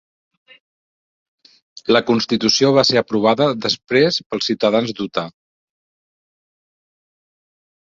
La constitució va ser aprovada després pels ciutadans d'Utah.